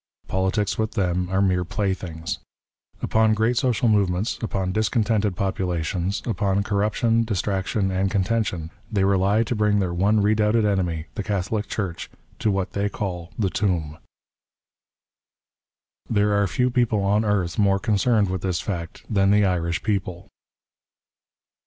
Politics, with them, are mere playthings. Upon great social movements, upon discontented populations, upon corruption, distraction, and contention, they rely to bring their one redoubted enemy, the Catholic Church, to what they call the tomb. There are few people on earth more concerned with this fact than the Irish people.